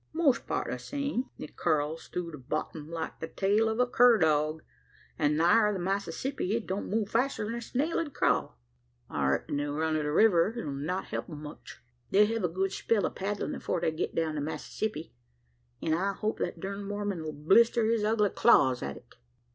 "Most part the same. It curls through the bottom like the tail o' a cur dog; an' nigher the Massissippy, it don't move faster than a snail 'ud crawl. I reck'n the run o' the river 'll not help 'em much. The'll hev a good spell o' paddlin' afore they git down to Massissippy; an' I hope that durned Mormon 'll blister his ugly claws at it!"